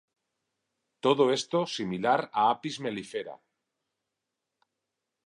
Todo esto similar a "Apis mellifera".